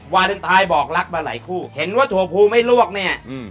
วาเลนไทยบอกรักมาหลายคู่เห็นว่าถั่วภูไม่ลวกเนี่ย